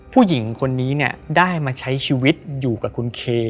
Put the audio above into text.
ผู้หญิงคนนี้เนี่ยได้มาใช้ชีวิตอยู่กับคุณเค